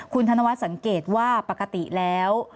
คุณธนวัฒนสังเกตว่าปกติแล้ว